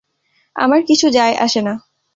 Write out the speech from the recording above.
আমার কিছু যায় আসে না।